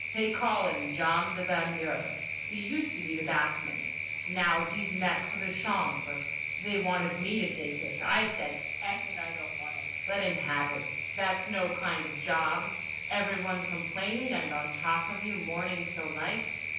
They call him John the Baigneur. He used to be the bathman. Now he's Maître de Chambre. They wanted me to take it—I said, 'F—— it, I don't want it.' Let him have it. That's no kind of a job, everyone complaining and on top of you morning till night.